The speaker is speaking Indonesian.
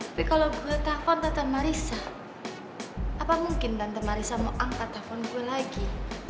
tapi kalau gue telfon tante marissa apa mungkin tante marissa mau angkat telfon gue lagi